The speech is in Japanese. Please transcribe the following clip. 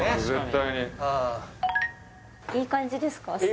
絶対にいい感じですか？